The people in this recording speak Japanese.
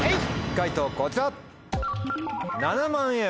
解答こちら！